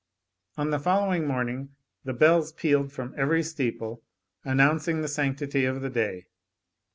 On the following morning the bells pealed from every steeple, announcing the sanctity of the day.